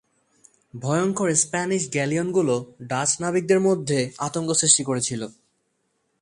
ভয়ংকর স্প্যানিশ গ্যালিয়নগুলো ডাচ নাবিকদের মধ্যে আতঙ্ক সৃষ্টি করেছিল।